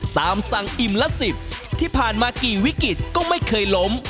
ตามสั่งอิ่มละ๑๐ที่ผ่านมากี่วิกฤตก็ไม่เคยล้ม